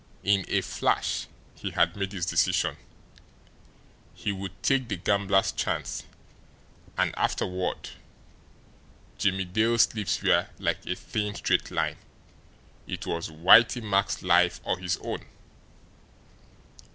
In a flash he had made his decision. He would take the gambler's chance! And afterward Jimmie Dale's lips were like a thin, straight line it was Whitey Mack's life or his own!